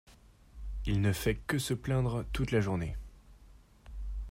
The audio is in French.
il ne fait que se plaindre toute la journée.